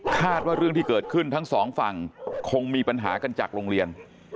ว่าเรื่องที่เกิดขึ้นทั้งสองฝั่งคงมีปัญหากันจากโรงเรียน